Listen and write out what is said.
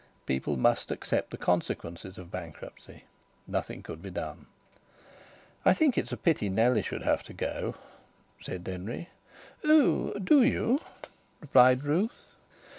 People must accept the consequences of bankruptcy. Nothing could be done. "I think it's a pity Nellie should have to go," said Denry. "Oh! Do you?" replied Ruth.